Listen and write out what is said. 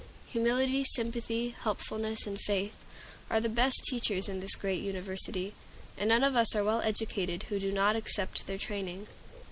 Humility, Sympathy, Helpfulness, and Faith are the best teachers in this great university, and none of us are well educated who do not accept their training.